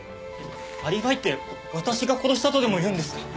アリバイって私が殺したとでも言うんですか？